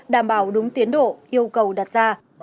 đảm bảo đúng tiến độ yêu cầu đặt ra